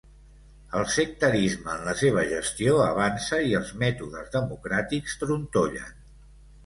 El sectarisme en la seva gestió avança i els mètodes democràtics trontollen.